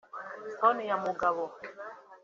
Sonia Mugabo